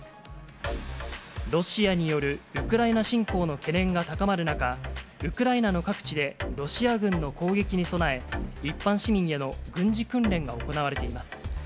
ロシアによるウクライナ侵攻の懸念が高まる中、ウクライナの各地でロシア軍の攻撃に備え、一般市民への軍事訓練が行われています。